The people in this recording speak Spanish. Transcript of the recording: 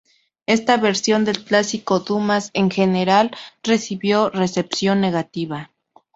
Esta versión del clásico de Dumas en general recibió recepción negativa.